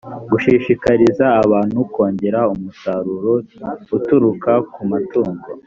gushishikariza abantu kongera umusaruro uturuka ku matungo